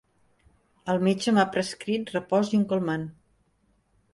El metge m'ha prescrit repòs i un calmant.